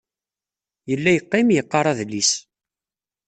Yella yeqqim, yeqqar adlis.